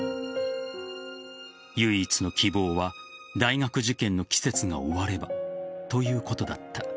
唯一の希望は大学受験の季節が終わればということだった。